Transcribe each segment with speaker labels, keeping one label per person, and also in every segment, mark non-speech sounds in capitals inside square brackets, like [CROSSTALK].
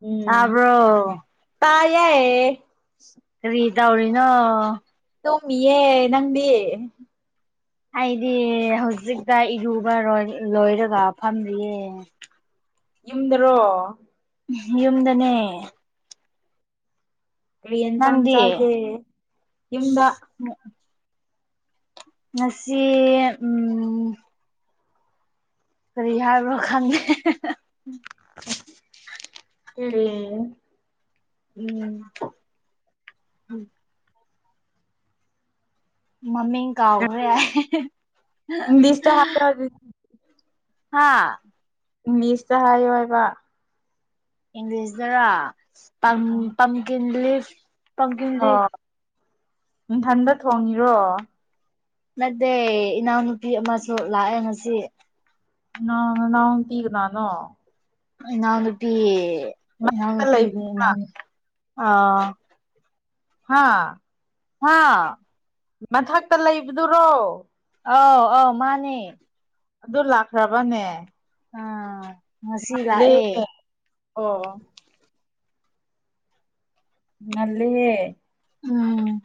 Speaker 1: ꯎꯝ
Speaker 2: ꯇꯥꯕ꯭ꯔꯣ
Speaker 1: ꯇꯥꯏꯌꯦ
Speaker 2: ꯔꯔꯤꯗꯥꯧꯂꯤꯅ
Speaker 1: ꯇꯣꯃꯤꯦ ꯅꯪꯗꯤ
Speaker 2: ꯑꯩꯗꯤ ꯍꯧꯖꯤꯛꯇ ꯏꯔꯨꯕ ꯂꯣꯏꯔꯒ ꯐꯝꯃꯤꯌꯦ
Speaker 1: ꯌꯨꯝꯗꯔꯣ
Speaker 2: ꯌꯨꯝꯗꯅꯦ
Speaker 1: ꯌꯦꯟ ꯆꯥꯡꯥꯡ
Speaker 2: ꯅꯪꯗꯤ
Speaker 1: ꯆꯒꯦ ꯌꯗ
Speaker 2: ꯃꯁꯤꯁꯤ ꯎꯝ ꯀꯔꯤ ꯍꯥꯏꯕ꯭ꯔꯣ ꯈꯪꯉꯦ
Speaker 1: ꯎꯝ
Speaker 2: ꯎꯝ ꯃꯃꯤꯡ ꯀꯥꯎꯈ꯭ꯔꯦ
Speaker 1: ꯑꯗꯨ
Speaker 2: ꯍꯥꯥ
Speaker 1: ꯏꯪꯂꯤꯁꯇ ꯍꯥꯏꯌꯣ ꯍꯥꯏꯕ
Speaker 2: ꯏꯪꯂꯤꯁꯇꯒ ꯄ ꯄꯝꯀꯤꯟ ꯂꯤꯐ ꯄꯝꯀꯤꯟ
Speaker 1: ꯑꯣ
Speaker 2: ꯂꯤꯐ
Speaker 1: ꯏꯊꯝꯗ ꯊꯣꯡꯉꯤꯔꯣ
Speaker 2: ꯅꯠꯇꯦ ꯏꯅꯥꯎꯅꯨꯄꯤ ꯑꯃꯁꯨ ꯂꯥꯛꯑꯦ ꯉꯁꯤ
Speaker 1: ꯅ ꯅ ꯇꯤꯒ ꯅꯅꯣ
Speaker 2: ꯅꯅꯥ ꯅꯨꯄꯤꯤ
Speaker 1: ꯃꯊꯛꯇ
Speaker 2: ꯏꯎꯅꯄꯤ
Speaker 1: ꯂꯩꯕꯗꯨꯔ
Speaker 2: ꯑ
Speaker 1: ꯍꯥ
Speaker 2: ꯍꯥꯥ
Speaker 1: ꯃꯊꯛꯇ ꯂꯩꯕꯗꯨꯔꯣ
Speaker 2: ꯑꯥꯎ ꯑꯥꯎ ꯃꯥꯅꯦ
Speaker 1: ꯑꯗꯨ ꯂꯥꯛꯈ꯭ꯔꯕꯅꯦ
Speaker 2: ꯑꯥ ꯉꯁꯤ
Speaker 1: ꯦ
Speaker 2: ꯂꯥꯛꯑꯦ
Speaker 1: ꯑꯣ ꯃꯜꯂꯤ
Speaker 2: ꯎꯝ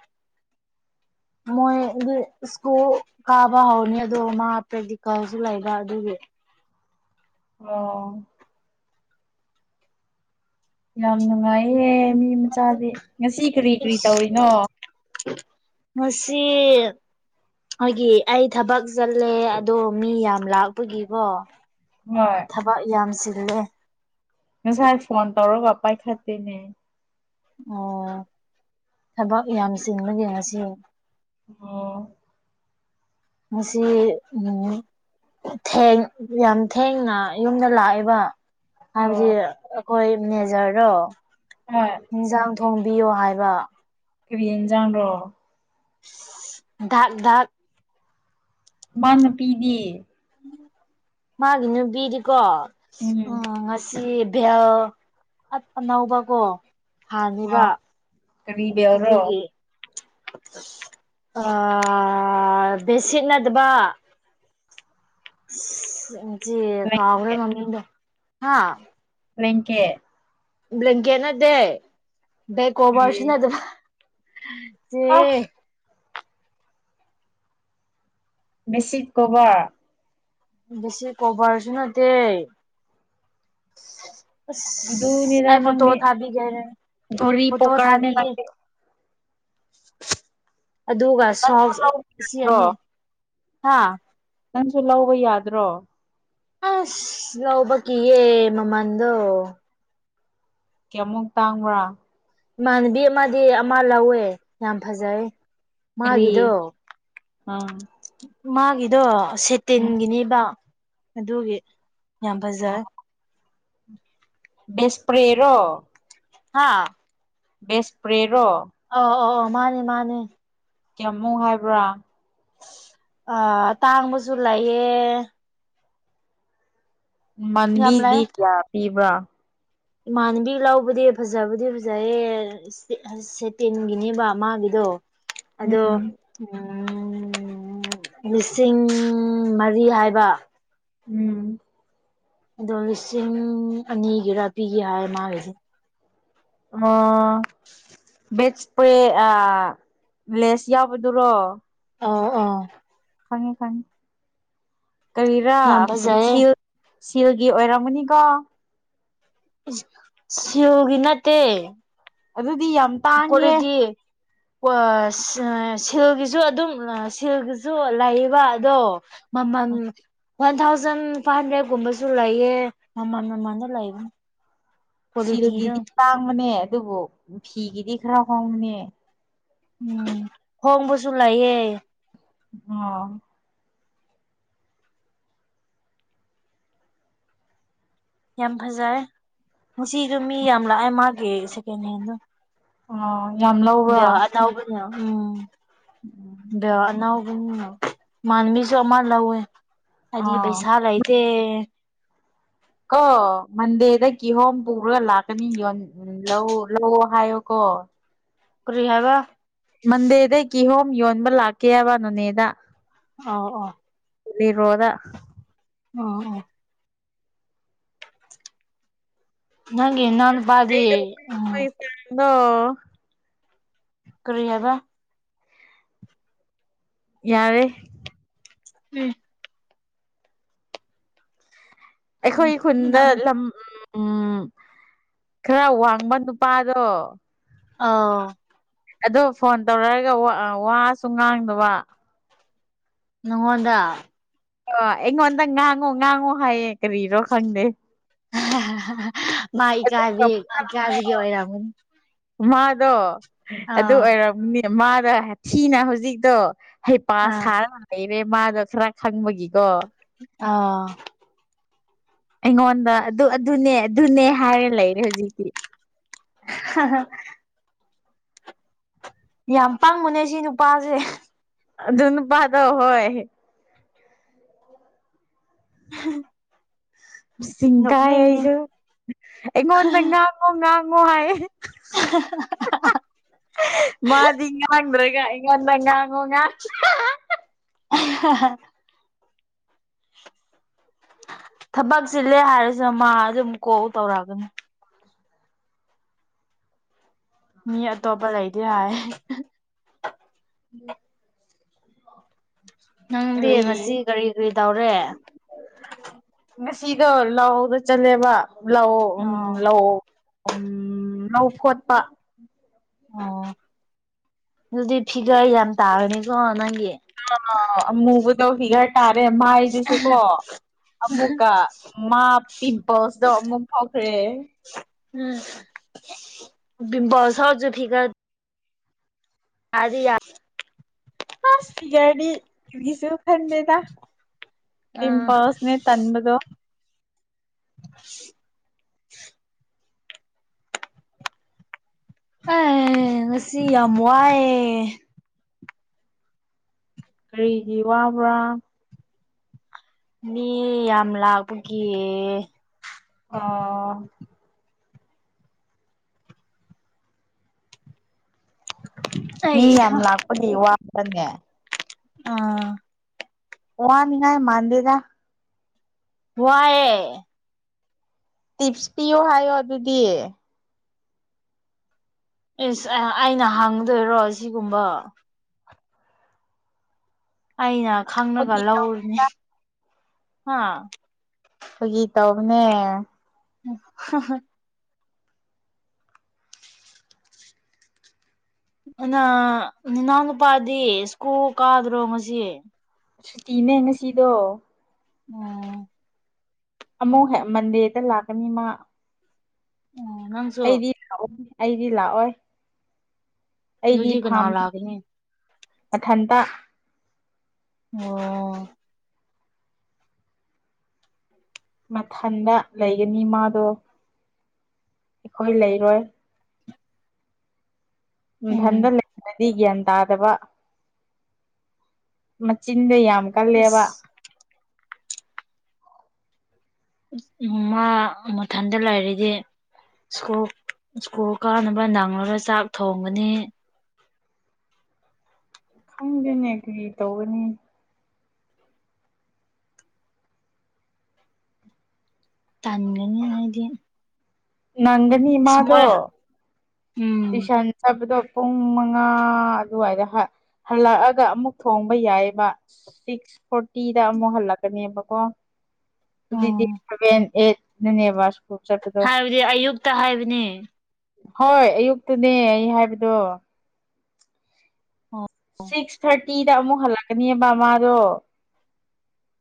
Speaker 2: ꯃꯣꯏꯒꯤ ꯁ꯭ꯀꯨꯜ ꯀꯥꯕ ꯍꯧꯔꯅꯤ ꯑꯗꯣ ꯃꯥ ꯄ꯭ꯔꯦꯛꯇꯤꯀꯦꯜꯁꯨ ꯂꯩꯕ ꯑꯗꯨꯒꯤ
Speaker 1: ꯑꯣ ꯌꯥꯝ ꯅꯨꯡꯉꯥꯏꯌꯦ ꯃꯤ ꯃꯆꯥꯗꯤꯦ ꯉꯁꯤ ꯀꯔꯤ ꯀꯔꯤ ꯇꯧꯔꯤꯅꯣ
Speaker 2: ꯃꯁꯤꯁꯤ ꯑꯩꯣꯏꯒꯤ ꯑꯩ ꯊꯕꯛ ꯆꯠꯂꯦ ꯑꯗꯣ ꯃꯤ ꯌꯥꯝ ꯂꯥꯛꯄꯒꯤꯀꯣ
Speaker 1: ꯍꯣꯏ
Speaker 2: ꯊꯕꯛ ꯌꯥꯝꯁꯤꯜꯂꯦ
Speaker 1: ꯉꯁꯥꯏ ꯐꯣꯟ ꯇꯧꯔꯒ ꯄꯥꯏꯈꯠꯇꯦꯅꯦ
Speaker 2: ꯑꯣ ꯊꯕꯛ ꯌꯥꯝ ꯆꯤꯟꯕꯒꯤꯦ ꯉꯁꯤ
Speaker 1: ꯑꯣ
Speaker 2: ꯃꯁꯤ ꯎꯝ ꯊꯦꯡ ꯌꯥꯝ ꯊꯦꯡꯅ ꯌꯨꯝꯗ ꯂꯥꯛꯏꯦꯕ ꯍꯥꯏꯕꯗꯤ
Speaker 1: ꯑꯣ
Speaker 2: ꯑꯩꯈꯣꯏ ꯃꯦꯖꯔꯗꯣ
Speaker 1: ꯎꯝ
Speaker 2: ꯌꯦꯟꯖꯥꯡ ꯊꯣꯡꯕꯤꯌꯣ ꯍꯥꯏꯕ
Speaker 1: ꯀꯔꯤ ꯑꯦꯟꯖꯥꯡꯅꯣ
Speaker 2: ꯙꯥꯛ ꯙꯥꯛ
Speaker 1: ꯃꯥꯅꯄꯤꯗꯦ
Speaker 2: ꯃꯥꯒꯤ ꯅꯨꯄꯤꯗꯤꯀꯣ ꯎꯝ ꯉꯁꯤ ꯕꯦꯜ ꯑꯅꯥꯎꯕꯀꯣ ꯍꯥꯟꯅꯤꯕ
Speaker 1: ꯑꯥ ꯀꯔꯤ ꯕꯦꯜꯔꯣ
Speaker 2: ꯑꯗꯨꯒꯤ ꯑ ꯕꯦꯁꯤꯛ ꯅꯗꯕ
Speaker 1: ꯕ꯭ꯂꯦꯡꯀꯦꯠ
Speaker 2: [UNINTELLIGIBLE]
Speaker 1: ꯔꯦꯡꯀꯦ
Speaker 2: ꯕ꯭ꯂꯦꯡꯀꯦꯠ ꯅꯠꯇꯦ ꯕꯦꯛ
Speaker 1: ꯀꯔꯤ
Speaker 2: ꯀꯣꯕꯔꯁꯨ ꯅꯠꯇꯕ ꯆꯦ
Speaker 1: ꯑ ꯕꯤꯁꯤꯠ ꯀꯣꯕꯔ
Speaker 2: ꯕꯦꯁꯤ ꯀꯣꯕꯔꯁꯨ ꯅꯠꯇꯦ ꯑꯁ ꯑꯩ ꯐꯣꯇꯣ ꯊꯥꯕꯤꯒꯦ
Speaker 1: [UNINTELLIGIBLE]
Speaker 2: ꯐꯣꯇꯣ ꯊꯥꯕꯤꯒꯦ
Speaker 1: [INAUDIBLE] ꯅꯪꯁꯨ
Speaker 2: ꯑꯗꯨꯒꯁꯨꯍꯥꯎ
Speaker 1: ꯂꯧꯕ
Speaker 2: ꯑꯁꯤ
Speaker 1: ꯌꯥꯗ꯭ꯔꯣ
Speaker 2: ꯑꯅꯤ ꯍꯥ
Speaker 1: ꯅꯪꯁꯨ ꯂꯧꯕ ꯌꯥꯗ꯭ꯔꯣ
Speaker 2: ꯑꯁ ꯂꯧꯕ ꯀꯤꯌꯦ ꯃꯃꯟꯗꯣ
Speaker 1: ꯀꯌꯥꯃꯨꯛ ꯇꯥꯡꯕ꯭ꯔꯥ
Speaker 2: ꯏꯃꯥꯟꯅꯕꯤ ꯑꯃꯗꯤ ꯑꯃ ꯂꯧꯋꯦ ꯌꯥꯝ ꯐꯖꯩ
Speaker 1: ꯀꯔꯤ
Speaker 2: ꯃꯥꯒꯤꯗꯣ
Speaker 1: ꯑꯪ
Speaker 2: ꯃꯥꯒꯤꯗꯣ ꯁꯦꯇꯤꯟꯒꯤꯅꯦꯕ ꯑꯗꯨꯒꯤ ꯌꯥꯝ ꯐꯖ
Speaker 1: ꯑꯦꯁꯄ꯭ꯔꯦꯔꯣ
Speaker 2: ꯍꯥꯥ
Speaker 1: ꯑꯦꯁꯄ꯭ꯔꯦꯔꯣ
Speaker 2: ꯑꯣ ꯑꯣ ꯑꯣ ꯃꯥꯅꯦ ꯃꯥꯅꯦ
Speaker 1: ꯀꯌꯥꯝꯃꯨꯛ ꯍꯥꯏꯕ꯭ꯔꯥ
Speaker 2: ꯑ ꯑꯇꯥꯡꯕꯁꯨ ꯂꯩꯌꯦ ꯌꯥꯝ
Speaker 1: ꯃꯥꯟꯕꯤꯗꯤ
Speaker 2: ꯂꯩ
Speaker 1: ꯀꯌꯥ ꯄꯤꯕ꯭ꯔꯥ
Speaker 2: ꯏꯃꯥꯟꯅꯕꯤ ꯂꯧꯕꯗꯤ ꯐꯖꯕꯗꯤ ꯐꯖꯩꯌꯦ ꯑꯦꯁꯄꯤ ꯁꯦꯇꯤꯟꯒꯤꯅꯦꯕ ꯃꯥꯒꯤꯗꯣ ꯑꯗꯣ
Speaker 1: ꯎꯝ
Speaker 2: ꯎꯝ ꯂꯤꯁꯤꯡ ꯃꯔꯤ ꯍꯥꯏꯕ
Speaker 1: ꯎꯝ
Speaker 2: ꯑꯗꯣ ꯂꯤꯁꯤꯡ ꯑꯅꯤꯒꯤꯔꯥ ꯄꯤꯒꯦ ꯍꯥꯏ ꯃꯥꯒꯤꯁꯦ
Speaker 1: ꯑꯣ ꯚꯦꯠꯁꯄ꯭ꯔꯦ ꯑꯥ ꯂꯦꯁ ꯌꯥꯎꯕꯗꯨꯔꯣ
Speaker 2: ꯑ
Speaker 1: ꯈꯪꯉꯦ ꯈꯪꯉꯦ ꯀꯔꯤꯔꯥ
Speaker 2: ꯌꯥꯝ ꯐꯖꯩꯌꯦ
Speaker 1: ꯁꯤ ꯁꯤꯜꯒꯤ ꯑꯣꯏꯔꯝꯃꯅꯤꯀꯣ
Speaker 2: ꯁꯤꯜꯒꯤ ꯅꯠꯇꯦ
Speaker 1: ꯑꯗꯨꯗꯤ ꯌꯥꯝ
Speaker 2: [UNINTELLIGIBLE]
Speaker 1: ꯇꯥꯡꯉꯦ
Speaker 2: ꯀꯣ ꯁꯤꯜꯒꯤꯁꯨ ꯑꯗꯨꯝ ꯁꯤꯜꯒꯤꯁꯨ ꯂꯩꯌꯦꯕ ꯑꯗꯣ ꯃꯃꯟ ꯋꯥꯟ ꯊꯥꯎꯖꯟ ꯐꯥꯏꯚ ꯍꯟꯗ꯭ꯔꯦꯗ ꯀꯨꯝꯕꯁꯨ ꯂꯩꯌꯦ ꯃꯃꯥꯟ ꯃꯃꯥꯟꯗ ꯂꯩꯕꯅꯤ ꯀ꯭ꯋꯥꯂꯤꯇꯤꯗꯣ
Speaker 1: ꯁꯤꯜꯒꯤꯗꯤ ꯇꯥꯡꯕꯅꯦ ꯑꯗꯨꯕꯨ ꯐꯤꯒꯤꯗꯤ ꯈꯔ ꯍꯣꯡꯕꯅꯦ
Speaker 2: ꯎꯝ ꯍꯣꯡꯕꯁꯨ ꯂꯩꯌꯦ
Speaker 1: ꯑꯣ
Speaker 2: ꯌꯥꯝ ꯐꯖꯔꯦ ꯉꯁꯤꯗꯣ ꯃꯤ ꯌꯥꯝ ꯂꯥꯛꯑꯦ ꯃꯥꯒꯤ ꯁꯦꯀꯦꯟ ꯍꯦꯟꯗꯣ
Speaker 1: ꯑꯣ ꯌꯥꯝ ꯂꯧꯕ꯭ꯔꯥ
Speaker 2: ꯗ ꯑꯗꯕ ꯎꯝ
Speaker 1: ꯎꯝ
Speaker 2: ꯑꯅꯥꯒꯨꯝ ꯃꯥꯟꯕꯤꯁꯨ ꯑꯃ ꯂꯧꯋꯦ ꯍꯥꯏꯗꯤ
Speaker 1: ꯑꯥ
Speaker 2: ꯄꯩꯁꯥ ꯂꯩ ꯑꯦ
Speaker 1: ꯀꯣ ꯃꯟꯗꯦꯗ ꯀꯤꯍꯣꯝ ꯄꯨꯔꯒ ꯂꯥꯛꯀꯅꯤ ꯎ ꯂꯧ ꯂꯧꯑꯣ ꯍꯥꯏꯌꯣꯀꯣ
Speaker 2: ꯔꯤꯍꯒ
Speaker 1: ꯃꯟꯗꯦꯗꯩ ꯀꯤꯍꯣꯝ ꯌꯣꯟꯕ ꯂꯥꯛꯀꯦꯕ ꯅꯣꯅꯦꯗ
Speaker 2: ꯑꯣ ꯑꯣ
Speaker 1: ꯐꯔꯣꯗ
Speaker 2: ꯑꯣ ꯑꯣ ꯅꯪꯒꯤ ꯅꯥꯟ
Speaker 1: ꯑꯩꯗꯩꯁꯗꯣ
Speaker 2: ꯀꯔꯤ ꯍꯥꯏꯕ
Speaker 1: ꯌꯥꯔꯦ
Speaker 2: ꯎꯝ
Speaker 1: ꯑꯩꯈꯣꯏ ꯈꯨꯟꯗ
Speaker 2: ꯅꯪ
Speaker 1: ꯂꯝ ꯎꯝ ꯈꯔ ꯋꯥꯡꯕ ꯅꯨꯄꯥꯗꯣ
Speaker 2: ꯑꯥ
Speaker 1: ꯑꯣ ꯐꯣꯟ ꯇꯧꯔꯛꯑꯒ ꯋꯥꯁꯨ ꯉꯥꯡꯗꯕ
Speaker 2: ꯅꯉꯣꯟꯗ
Speaker 1: ꯑ ꯑꯩꯉꯣꯟꯗ ꯉꯥꯡꯉꯨ ꯉꯥꯡꯉꯨ ꯍꯥꯏꯌꯦ ꯀꯔꯤꯔꯣ ꯈꯪꯗꯦ
Speaker 2: ꯃꯥ ꯏꯀꯥꯏꯕꯤ ꯏꯀꯥꯕꯤꯒꯤ ꯑꯣꯏꯔꯝꯃꯅꯤ
Speaker 1: ꯃꯥꯗꯣ ꯑꯗꯨ
Speaker 2: ꯑꯥ
Speaker 1: ꯑꯣꯏꯔꯝꯅꯤ ꯃꯥꯗ ꯊꯤꯅ ꯍꯧꯖꯤꯛꯇꯣ ꯍꯩꯄꯥ
Speaker 2: ꯑꯥ
Speaker 1: ꯁꯥꯔꯒ ꯂꯩꯔꯦ ꯃꯥꯗꯣ ꯈꯔ ꯈꯪꯕꯒꯤꯀꯣ
Speaker 2: ꯑ
Speaker 1: ꯑꯩꯉꯣꯟꯗ ꯑꯗꯨ ꯑꯗꯨꯅꯦ ꯑꯗꯨꯅꯦ ꯍꯥꯏꯔ ꯂꯩꯔꯦ ꯍꯧꯖꯤꯛꯇꯤ
Speaker 2: ꯑ ꯌꯥꯝ ꯄꯥꯡꯕꯨꯅꯦ ꯁꯤ ꯅꯨꯄꯥꯁꯦ
Speaker 1: ꯑ ꯑꯗꯨꯟ ꯄꯥꯗ ꯍꯣꯏ
Speaker 2: ꯎ
Speaker 1: ꯆꯤꯡ ꯀꯥꯏ ꯑꯩꯁꯨ ꯑꯩꯉꯣꯟꯗ ꯉꯥꯡꯉꯣ ꯉꯥꯡꯉꯣ ꯍꯥꯏꯌꯦ ꯃꯥꯗꯤ ꯉꯥꯡꯗ꯭ꯔꯒ ꯑꯩꯉꯣꯟꯗ ꯉꯥꯡꯉꯨ ꯉꯥ
Speaker 2: ꯍ ꯍ ꯊꯕꯛ ꯆꯤꯜꯂꯦ ꯍꯥꯏꯔꯤꯁꯤꯅ ꯃꯥ ꯑꯗꯨꯝ ꯀꯣꯜ ꯇꯧꯔꯛꯑꯒꯅꯤ ꯃꯤ ꯑꯇꯣꯞꯄ ꯂꯩꯗꯤ ꯍꯥꯏ
Speaker 1: ꯎꯝ
Speaker 2: ꯅꯪꯗꯤ ꯉꯁꯤ ꯀꯔꯤ ꯀꯔꯤ ꯇꯧꯔꯦ
Speaker 1: ꯉꯁꯤꯒꯣ ꯂꯥꯎꯗ ꯆꯠꯂꯦꯕ ꯂꯧ ꯎꯝ
Speaker 2: ꯑꯣ
Speaker 1: ꯂꯧ ꯎꯝ ꯂꯧ ꯈꯣꯠꯄ
Speaker 2: ꯑꯣ ꯑꯗꯨꯗꯤ ꯐꯤꯒꯔ ꯌꯥꯝ ꯇꯥꯔꯅꯤꯀꯣ ꯅꯪꯒꯤ
Speaker 1: ꯑ ꯑꯃꯨꯕꯨ ꯇꯧ ꯐꯤꯒꯔ ꯇꯥꯔꯦ ꯃꯥꯏꯗꯨꯁꯨ ꯀꯣ ꯑꯃꯨꯛꯀ ꯃꯥ ꯇꯤꯝꯄꯜꯁꯗꯣ ꯑꯃꯨꯛ ꯐꯥꯎꯈ꯭ꯔꯦ
Speaker 2: ꯎꯝꯁꯥꯎꯁꯨ ꯐꯤꯒꯥ ꯑꯗꯤ ꯌꯥ
Speaker 1: ꯐꯤꯒꯔꯗꯤ ꯀꯨꯒꯤꯁꯨ ꯈꯟꯗꯦꯗ
Speaker 2: ꯑꯥ
Speaker 1: ꯄꯤꯝꯄꯜꯁꯅꯦ ꯇꯟꯕꯗꯣ
Speaker 2: ꯑꯦ ꯉꯁꯤ ꯌꯥꯝ ꯋꯥꯏꯑꯦ
Speaker 1: ꯀꯔꯤꯒꯤ ꯋꯥꯕ꯭ꯔꯥ
Speaker 2: ꯃꯤ ꯌꯥꯝ ꯂꯥꯛꯄꯒꯤ
Speaker 1: ꯑꯣ ꯃꯤ
Speaker 2: ꯑꯩ
Speaker 1: ꯌꯥꯝ ꯂꯥꯛꯄꯒꯤ ꯋꯥꯕꯅꯦ
Speaker 2: ꯑꯥ
Speaker 1: ꯋꯥꯅꯤꯡꯉꯥꯏ ꯃꯥꯟꯗꯦꯗ
Speaker 2: ꯋꯥꯏꯌꯦ
Speaker 1: ꯇꯤꯞꯁ ꯄꯤꯌꯣ ꯍꯥꯏꯌꯣ ꯑꯗꯨꯗꯤ
Speaker 2: ꯏꯁ ꯑꯩꯅ ꯍꯪꯗꯣꯏꯔꯣ ꯁꯤꯒꯨꯝꯕ ꯑꯩꯅ ꯈꯪꯉꯒ
Speaker 1: ꯐꯥꯒꯤ ꯇꯧ
Speaker 2: ꯂꯧꯔꯅꯤ ꯍꯥ
Speaker 1: ꯐꯥꯒꯤ ꯇꯧꯕꯅꯦ
Speaker 2: [INAUDIBLE] ꯑꯅ ꯅꯅꯥꯎ ꯅꯨꯄꯥꯗꯤ ꯁ꯭ꯀꯨꯜ ꯀꯥꯗ꯭ꯔꯣ ꯉꯁꯤ
Speaker 1: ꯁꯨꯇꯤꯅꯦ ꯉꯁꯤꯗꯣ
Speaker 2: ꯑꯣ
Speaker 1: ꯑꯃꯨꯛ ꯍꯦꯛ ꯃꯟꯗꯦꯗ ꯂꯥꯛꯀꯅꯤ ꯃꯥ
Speaker 2: ꯎꯪ ꯅꯪ
Speaker 1: ꯑꯩꯗꯤ ꯂꯥꯛꯑꯣ ꯑꯩꯗꯤ ꯂꯥꯛꯑꯣꯏ ꯑꯩꯗꯤ
Speaker 2: ꯑꯗꯨꯗꯤ ꯀꯅꯥ
Speaker 1: ꯐꯥꯝ
Speaker 2: ꯂꯥꯛꯀꯅꯤ
Speaker 1: ꯑꯊꯟꯇ
Speaker 2: ꯑꯣ
Speaker 1: ꯃꯊꯟꯗ ꯂꯩꯒꯅꯤ ꯃꯥꯗꯣ ꯑꯩꯈꯣꯏ ꯂꯩꯔꯣꯏ ꯏꯊꯟꯗ
Speaker 2: ꯎꯝ
Speaker 1: ꯂꯩꯗꯤ ꯒ꯭ꯌꯥꯟ ꯇꯥꯗꯕ ꯃꯆꯤꯟꯗꯣ ꯌꯥꯝ ꯀꯜꯂꯦꯕ
Speaker 2: ꯏꯁ ꯃ ꯃꯊꯟꯗ ꯂꯩꯔꯗꯤ ꯁꯀꯨꯜ ꯁ꯭ꯀꯨꯜ ꯀꯥꯟꯅꯕ ꯅꯪꯂꯔꯣꯏ ꯆꯥꯛ ꯊꯣꯡꯒꯅꯤ
Speaker 1: ꯈꯪꯗꯦꯅꯦ ꯀꯔꯤ ꯇꯧꯒꯅꯤ
Speaker 2: ꯇꯟꯒꯅꯤ ꯑꯩꯗꯤ
Speaker 1: ꯅꯪꯒꯅꯤ ꯃꯥꯗꯣ
Speaker 2: ꯎꯝ
Speaker 1: ꯇꯨꯏꯁꯟ ꯆꯠꯄꯗꯣ ꯄꯨꯡ ꯃꯉꯥ ꯑꯗꯨꯋꯥꯏꯗ ꯍꯜꯂꯛꯑꯒ ꯑꯃꯨꯛ ꯊꯣꯡꯕ ꯌꯥꯏꯑꯦꯕ ꯁꯤꯛꯁ ꯐꯣꯔꯇꯤꯗ ꯑꯃꯨꯛ ꯍꯜꯂꯛꯀꯅꯦꯕꯀꯣ
Speaker 2: ꯑꯣ
Speaker 1: [UNINTELLIGIBLE]
Speaker 2: ꯍꯥꯏꯕꯗꯤ ꯑꯌꯨꯛꯇ ꯍꯥꯏꯕꯅꯤ
Speaker 1: ꯍꯣꯏ ꯑꯌꯨꯛꯇꯅꯦ ꯑꯩ ꯍꯥꯏꯕꯗꯣ ꯁꯤꯛꯁ ꯊꯥꯔꯇꯤꯗ ꯑꯃꯨꯛ ꯍꯜꯂꯛꯀꯅꯤꯕ ꯃꯗꯣ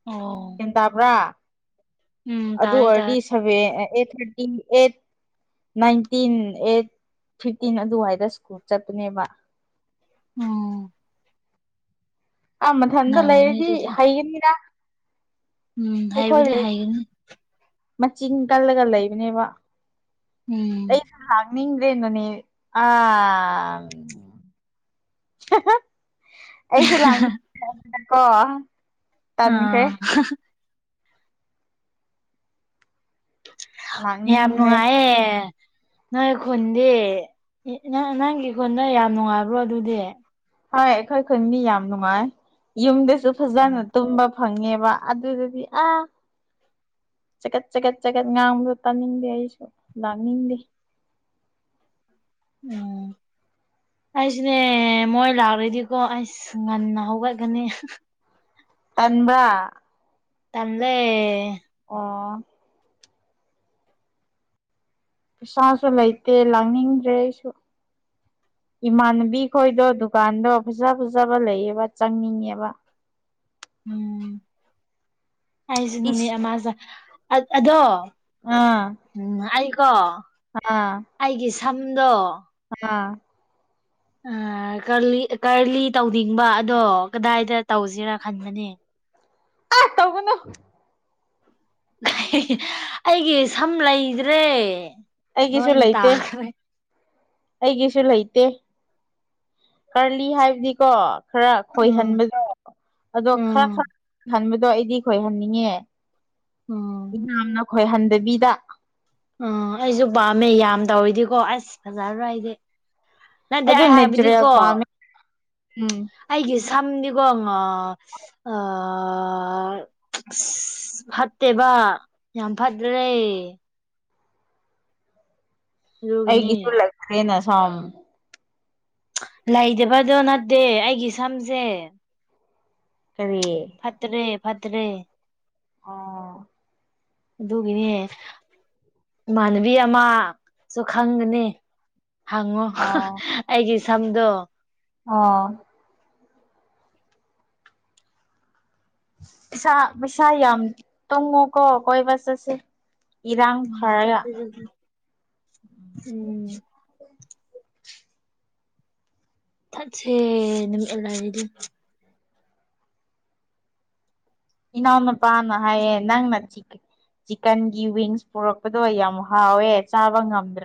Speaker 2: ꯑꯣ
Speaker 1: ꯇꯕ꯭ꯔꯥ
Speaker 2: ꯎꯝ
Speaker 1: ꯑꯗꯨ
Speaker 2: ꯇꯥꯏ ꯇꯥꯏ
Speaker 1: ꯑꯣꯏꯔꯗꯤ seven eight thirty eight nineteen eight fifteen ꯑꯗꯨꯋꯥꯏꯗ ꯁ꯭ꯀꯨꯜ ꯆꯠꯄꯅꯦꯕ
Speaker 2: ꯎꯝ
Speaker 1: ꯑꯥ ꯃꯊꯟꯇ
Speaker 2: ꯅꯪꯅꯤ
Speaker 1: ꯂꯩꯔꯗꯤ
Speaker 2: ꯑꯗꯨꯗꯤ
Speaker 1: ꯍꯩꯒꯅꯤꯅ
Speaker 2: ꯎꯝ
Speaker 1: ꯑꯩꯈꯣꯏ
Speaker 2: ꯍꯥꯏꯕꯨꯗꯤ
Speaker 1: ꯂꯩ
Speaker 2: ꯍꯥꯏꯒꯅꯤ
Speaker 1: ꯃꯆꯤꯟ ꯀꯜꯂꯒ ꯂꯩꯕꯅꯦꯕ
Speaker 2: ꯎꯝ
Speaker 1: ꯑꯩ ꯂꯥꯛꯅꯤꯡꯗꯔ꯭ꯦꯗꯅꯦ ꯑꯪ ꯑꯩꯁꯨ ꯂꯥꯛꯅꯤꯡꯗꯕꯅꯀꯣ
Speaker 2: ꯑꯥ ꯌꯥꯝ
Speaker 1: ꯂꯥꯛꯅꯤꯡꯗ꯭ꯔꯦ
Speaker 2: ꯅꯨꯡꯉꯥꯏꯑꯦ ꯅꯣꯏ ꯈꯨꯟꯗꯤ ꯅꯪꯒꯤ ꯈꯨꯟꯗꯣ ꯌꯥꯝ ꯅꯨꯡꯉꯥꯏꯕ꯭ꯔꯣ ꯑꯗꯨꯗꯤ
Speaker 1: ꯍꯣꯏ ꯑꯩꯈꯣꯏ ꯈꯨꯟꯗꯤ ꯌꯥꯝ ꯅꯨꯡꯉꯥꯏ ꯌꯨꯝꯗꯁꯨ
Speaker 2: ꯑꯣ
Speaker 1: ꯐꯖꯅ ꯇꯨꯝꯕ ꯐꯪꯉꯦꯕ ꯑꯗꯨꯗꯗꯤ ꯑꯥ ꯆꯀꯠ ꯆꯀꯠ ꯆꯈꯠ ꯉꯥꯡꯕꯗ ꯇꯥꯅꯤꯡꯗꯦ ꯑꯩꯁꯨ ꯂꯥꯅꯤꯡꯗꯦ
Speaker 2: ꯎꯝ ꯑꯩꯁꯤꯅꯦ ꯃꯣꯏ ꯂꯥꯛꯔꯗꯤꯀꯣ ꯑꯩꯁ ꯉꯟꯅ ꯍꯧꯒꯠꯀꯅꯤ
Speaker 1: ꯇꯟꯕ꯭ꯔꯥ
Speaker 2: ꯇꯦ
Speaker 1: ꯑꯣ ꯄꯩꯁꯥꯁꯨ ꯂꯩꯇꯦ ꯂꯥꯡꯅꯤꯡꯗ꯭ꯔꯦ ꯑꯩꯁꯨ ꯏꯃꯥꯟꯅꯕꯤ ꯈꯣꯏꯗꯣ ꯗꯨꯀꯥꯟꯗꯣ ꯐꯖ ꯐꯖꯕ ꯂꯩꯌꯦꯕ ꯆꯪꯅꯤꯡꯉꯦꯕ
Speaker 2: ꯎꯝ ꯑꯩꯁꯦ ꯅꯨꯃꯤꯠ
Speaker 1: ꯏꯁ
Speaker 2: ꯑꯃꯁꯦ ꯑꯗꯣ
Speaker 1: ꯑꯥ
Speaker 2: ꯎꯝ ꯑꯩꯀꯣ
Speaker 1: ꯍꯥꯥ
Speaker 2: ꯑꯩꯒꯤ ꯁꯝꯗꯣ
Speaker 1: ꯍꯥꯥ
Speaker 2: ꯀꯔꯂꯤ ꯇꯧꯅꯤꯡꯕ ꯑꯗꯣ ꯀꯗꯥꯏꯗ ꯇꯧꯁꯤꯔꯥ ꯈꯟꯕꯅꯦ
Speaker 1: ꯑ ꯇꯧꯕꯅꯣ
Speaker 2: ꯑꯩꯒꯤ ꯁꯝ ꯂꯩꯗ꯭ꯔꯦ
Speaker 1: ꯑꯩꯒꯤꯁꯨ
Speaker 2: ꯂꯣꯏꯅ
Speaker 1: ꯂꯩꯇꯦ
Speaker 2: ꯇꯥꯈ꯭ꯔꯦ
Speaker 1: ꯑꯩꯒꯤꯁꯨ ꯂꯩꯇꯦ ꯀꯔꯂꯤ ꯍꯥꯏꯕꯗꯤꯀꯣ ꯈꯔ
Speaker 2: ꯎꯝ
Speaker 1: ꯈꯣꯏꯍꯟꯕꯗꯣ ꯑꯗꯣ ꯈꯔ
Speaker 2: ꯎꯝ
Speaker 1: ꯈꯔꯍꯟꯕꯗꯣ ꯑꯩꯗꯤ ꯈꯣꯏꯍꯟꯅꯤꯡꯉꯦ
Speaker 2: ꯎꯝ
Speaker 1: ꯏꯅꯥꯅ ꯈꯣꯏꯍꯟꯗꯕꯤꯗ
Speaker 2: ꯎꯝ ꯑꯩꯁꯨ ꯄꯥꯝꯃꯦ ꯌꯥꯝ ꯇꯧꯔꯤꯗꯤꯀꯣ ꯑꯁ ꯐꯖꯔꯣꯏ ꯑꯩꯗꯤ ꯅꯠꯇꯦ
Speaker 1: ꯑꯗꯨ
Speaker 2: ꯑꯩ
Speaker 1: ꯅꯦꯆꯔꯦꯜ
Speaker 2: ꯍꯥꯏꯕꯗꯤꯀꯣ
Speaker 1: ꯄꯥꯝꯃꯦ ꯎꯝ
Speaker 2: ꯑꯩꯒꯤ ꯁꯝꯗꯤꯀꯣꯥ ꯑ ꯐꯠꯇꯦꯕ ꯌꯥꯝ ꯐꯥꯗ꯭ꯔꯦ ꯑꯗꯨꯒꯤꯅꯤ
Speaker 1: ꯑꯩꯒꯤꯁꯨꯜꯂꯦꯅ ꯁꯣꯝ
Speaker 2: ꯂꯩꯗꯕꯗꯣ ꯅꯠꯇꯦ ꯑꯩꯒꯤ ꯁꯝꯁꯦ
Speaker 1: ꯀꯔꯤ
Speaker 2: ꯐꯠꯇ꯭ꯔꯦ ꯐꯠꯇ꯭ꯔꯦ
Speaker 1: ꯑꯥ
Speaker 2: ꯑꯗꯨꯒꯤꯅꯦ ꯏꯃꯥꯟꯅꯕꯤ ꯑꯃ ꯁꯨ ꯈꯪꯒꯅꯤ ꯍꯪꯉꯣ ꯑꯩꯒꯤ ꯁꯝꯗꯣ
Speaker 1: ꯑ ꯁꯥ ꯄꯩꯁ ꯌꯥꯝ ꯌꯥꯝ ꯇꯨꯉꯣ ꯀꯣ ꯀꯣꯏꯕꯆꯁꯁꯦ
Speaker 2: ꯎꯝ ꯆ ꯎꯝ
Speaker 1: [UNINTELLIGIBLE]
Speaker 2: ꯆꯠꯁꯦ ꯅꯨꯃꯤꯠꯂꯥꯏꯔꯗꯤ
Speaker 1: ꯏꯅꯟꯅ ꯄꯥꯅ ꯍꯌꯦꯉ ꯅꯆꯀꯦ ꯆꯤꯛꯀꯟꯒꯤ ꯋꯤꯡꯁ ꯄꯨꯔꯛꯄꯗꯣ ꯌꯥꯝ ꯍꯥꯎꯋꯦ ꯆꯥꯕ ꯉꯝꯗ꯭ꯔꯦ